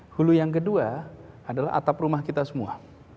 hulu yang kedua adalah atap rumah kita semua